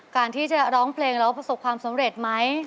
การที่จะร้องเพลงแล้วประสบความสำเร็จไหม